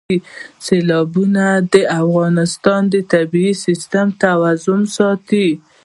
سیلابونه د افغانستان د طبعي سیسټم توازن ساتي.